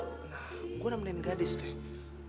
nah gue nemenin gadis deh